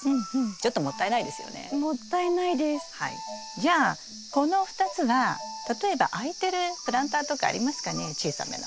じゃあこの２つは例えば空いてるプランターとかありますかね小さめの。